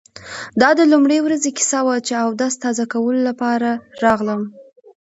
دا د لومړۍ ورځې کیسه وه چې اودس تازه کولو لپاره راغلم.